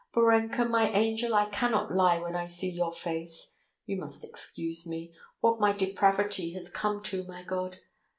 Borenka, my angel, I cannot lie when I see your face. You must excuse me. ... What my depravity has come to, my God.